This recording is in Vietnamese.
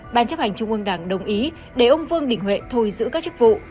ban chấp hành trung ương đảng đồng ý để ông vương đình huệ thôi giữ các chức vụ